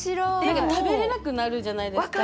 何か食べれなくなるじゃないですか。